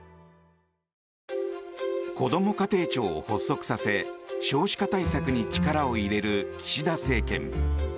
こども家庭庁を発足させ少子化対策に力を入れる岸田政権。